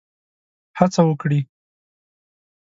هڅه وکړي.